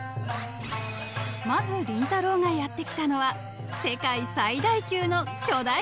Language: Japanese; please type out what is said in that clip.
［まずりんたろー。がやって来たのは世界最大級の巨大水槽］